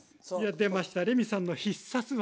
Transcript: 出ましたレミさんの必殺技！